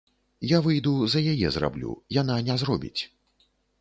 Я выйду за яе зраблю, яна не зробіць.